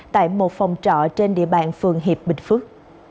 tại một phòng trọ trên địa bàn phường hiệp bình phước